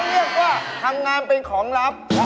อ๋อแล้วเรียกว่าทางน้ำเป็นของลับ